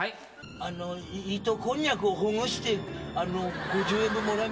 あの糸こんにゃくほぐして５０円分もらえません？